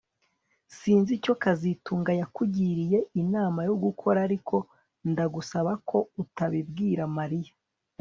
Sinzi icyo kazitunga yakugiriye inama yo gukora ariko ndagusaba ko utabibwira Mariya